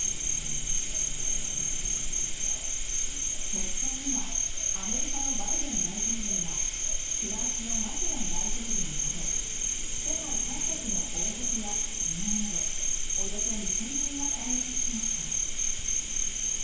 国葬にはアメリカのバイデン大統領やフランスのマクロン大統領など世界各国の王族や首脳などおよそ２０００人が参列しました。